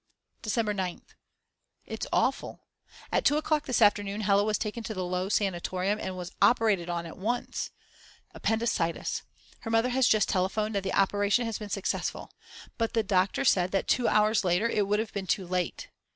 December 9th. It's awful. At 2 o'clock this afternoon Hella was taken to the Low sanatorium and was operated on at once. Appendicitis. Her mother has just telephoned that the operation has been successful. But the doctors said that 2 hours later it would have been too late.